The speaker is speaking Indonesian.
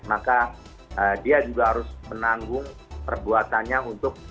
maka dia juga harus menanggung perbuatannya untuk